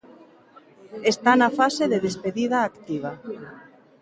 Está na fase de despedida activa.